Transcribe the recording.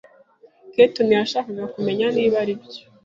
Keeton yashakaga kumenya niba aribyo.